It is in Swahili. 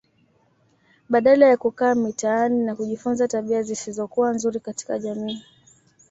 Badala ya kukaa mitaani na kujifunza tabia zisizokuwa nzuri katika jamii